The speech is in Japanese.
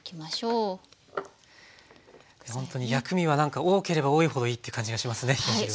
ほんとに薬味は何か多ければ多いほどいいって感じがしますね冷や汁は。